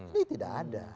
ini tidak ada